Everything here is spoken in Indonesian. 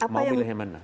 mau beli yang mana